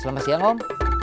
selamat siang om